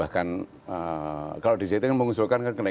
kalau kemudian pemerintah atau djsn mengusulkan iuran yang tinggi